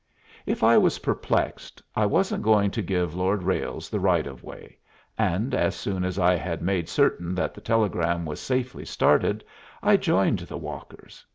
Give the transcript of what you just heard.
If I was perplexed, I wasn't going to give Lord Ralles the right of way, and as soon as I had made certain that the telegram was safely started I joined the walkers.